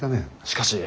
しかし。